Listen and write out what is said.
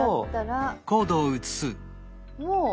もう。